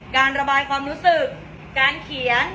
การระบายความรู้สึกการเขียน